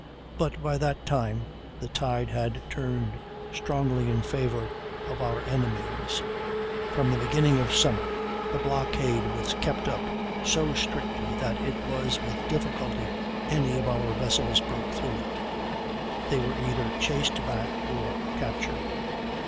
But by that time the tide had turned strongly in favor of our enemies. From the beginning of summer the blockade was kept up so strictly that it was with difficulty any of our vessels broke through it; they were either chased back or captured.